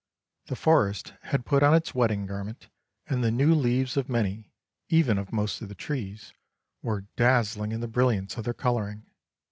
The forest had put on its wedding garment, and the new leaves of many, even of most of the trees, were dazzling in the brilliance of their colouring.